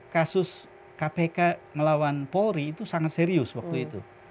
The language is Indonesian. kasus kpk melawan polri itu sangat serius waktu itu